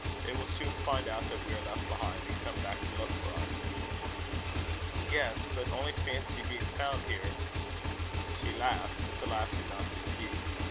They will soon find out that we are left behind, and come back to look for us." "Yes, but only fancy being found here!" She laughed; but the laugh did not succeed.